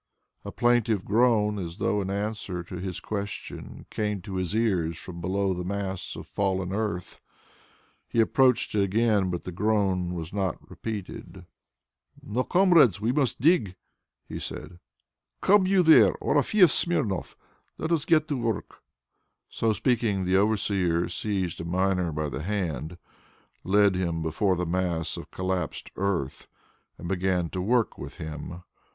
A plaintive groan as though in answer to his question came to his ears from below the mass of fallen earth. He approached it again, but the groan was not repeated. "Now, comrades, we must dig!" he said. "Come you there, Orefieff Smirnoff! Let us get to work." So speaking, the overseer seized a miner by the hand, led him before the mass of collapsed earth and began to work with him.